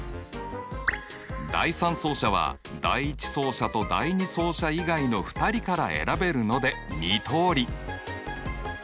第３走者は第１走者と第２走者以外の２人から選べるので２通り。